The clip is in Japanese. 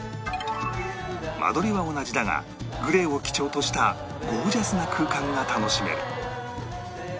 間取りは同じだがグレーを基調としたゴージャスな空間が楽しめる